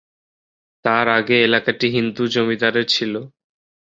তার আগে এলাকাটি হিন্দু জমিদারদের ছিল।